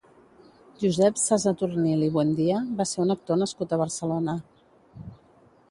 Josep Sazatornil i Buendía va ser un actor nascut a Barcelona.